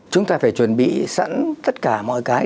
chúng ta phải chuẩn bị sẵn tất cả mọi cái